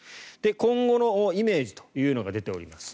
今後のイメージというのが出ております。